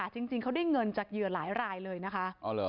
จริงเขาได้เงินจากเหยื่อหลายรายเลยนะคะ